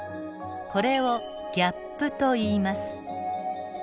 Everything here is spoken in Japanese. これをギャップといいます。